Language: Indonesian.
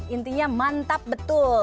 intinya mantap betul